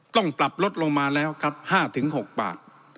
ต้องปรับลดลงมาแล้วครับ๕๖บาท